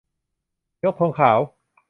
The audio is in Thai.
ยกธงขาว